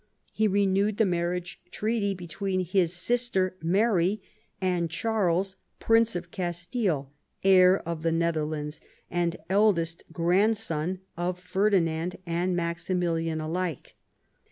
He renewed the marriage treaty between his sister Mary and Charles, Prince of Castile, heir of the Netherlands, and eldest grandson of Ferdi nand and Maximilian alike.